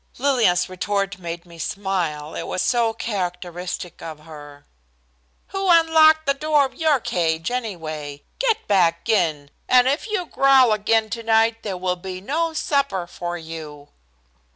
Lillian's retort made me smile, it was so characteristic of her. "Who unlocked the door of your cage, anyway? Get back in, and if you growl again tonight there will be no supper for you."